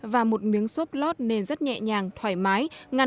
và một miếng xốp lót nên rất nhẹ nhàng thoải mái ngăn giọt bắn